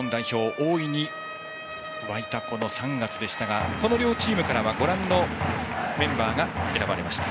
大いに沸いた３月でしたがこの両チームからはご覧のメンバーが選ばれました。